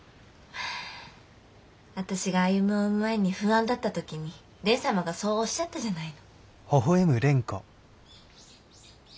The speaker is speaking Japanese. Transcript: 私が歩を産む前に不安だった時に蓮様がそうおっしゃったじゃないの。